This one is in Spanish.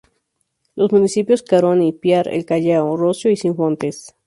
Los municipios Caroní, Piar, El Callao, Roscio y Sifontes.